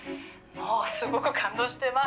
「もうすごく感動してます」